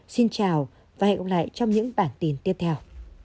xin chào và hẹn gặp lại trong những bản tin tiếp theo